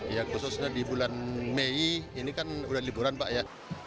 ya khususnya di bulan mei ini kan udah liburan pak ya